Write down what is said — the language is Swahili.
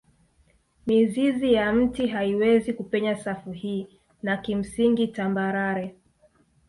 Mizizi ya mti haiwezi kupenya safu hii na kimsingi tambarare